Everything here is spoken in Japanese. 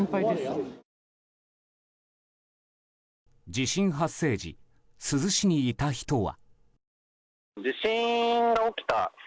地震発生時珠洲市にいた人は。